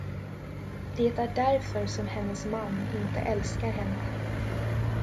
Det är därför som hennes man inte älskar henne.